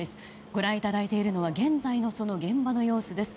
ご覧いただいているのは現在の現場の様子です。